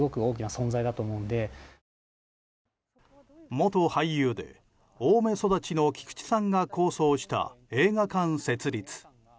元俳優で青梅育ちの菊池さんが構想した映画館設立。